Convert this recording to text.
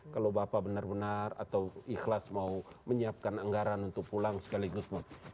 kalau bapak benar benar atau ikhlas mau menyiapkan anggaran untuk pulang sekaligus